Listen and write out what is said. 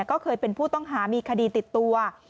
ก็เคยเป็นผู้ต้องหามีคดีติดตัว